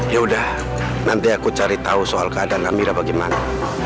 yaudah nanti aku cari tau soal keadaan amira bagaimana